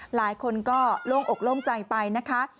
หลายคนก็โล่งอกโล่งใจไปนะคะ